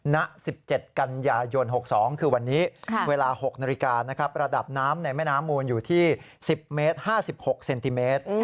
นสิบเจ็ดกันยายนหกสองคือวันนี้เวลาหกนาฬิกานะครับระดับน้ำในแม่น้ำมูลอยู่ที่สิบเมตรห้าสิบหกเซนติเมตร